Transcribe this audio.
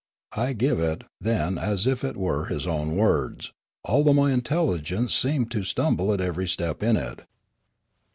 I give it, then, as if it were in his own words, although my intelligence seemed to stumble at every step in it.